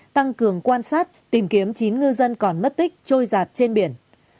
tăng cường quan sát tìm kiếm chín ngư dân còn mất tích trôi giạt trên biển